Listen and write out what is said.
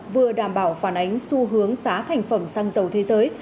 vừa đảm bảo phản ánh xu hướng giá thành phẩm xăng dầu thế giới